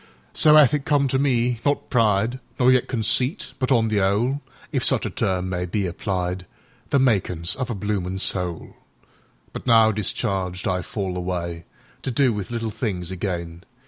So 'ath it come to me—not pride, Nor yet conceit, but on the 'ole(If such a term may be applied),The makin's of a bloomin' soul. But now, discharged, I fall awayTo do with little things again.